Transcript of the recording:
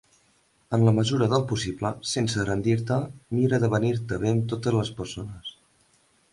En la mesura del possible, sense rendir-te, mira d'avenir-te bé amb totes les persones.